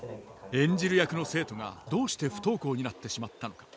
演じる役の生徒がどうして不登校になってしまったのか。